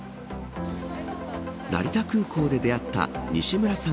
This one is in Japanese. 成田空港で出会った西村さん